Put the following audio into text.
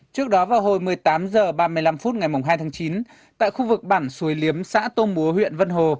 trước đó vào hồi một mươi tám h ba mươi năm phút ngày hai tháng chín tại khu vực bản xùi liếm xã tô múa huyện vân hồ